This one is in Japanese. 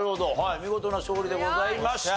見事な勝利でございました。